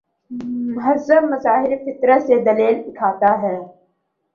مذہب مظاہر فطرت سے دلیل اٹھاتا ہے۔